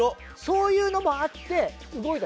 そういうのもあって動いた。